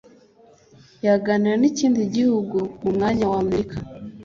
yaganira n’ikindi gihugu mu mwanya wa Amerika